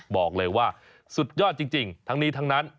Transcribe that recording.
บอกเลยว่าสุดยอดจริงทั้งนี้ทั้งนั้น